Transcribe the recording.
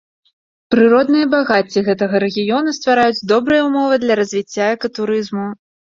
Прыродныя багацці гэтага рэгіёна ствараюць добрыя ўмовы для развіцця экатурызму.